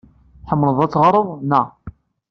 Tḥemmleḍ ad teɣreḍ, naɣ?